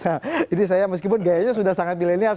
nah ini saya meskipun gayanya sudah sangat milenial